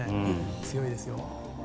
強いですよ。